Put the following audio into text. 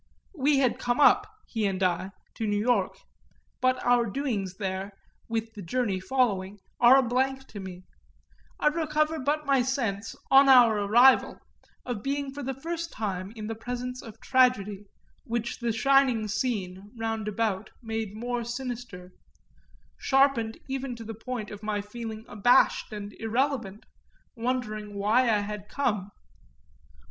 We had come up, he and I, to New York; but our doings there, with the journey following, are a blank to me; I recover but my sense, on our arrival, of being for the first time in the presence of tragedy, which the shining scene, roundabout, made more sinister sharpened even to the point of my feeling abashed and irrelevant, wondering why I had come.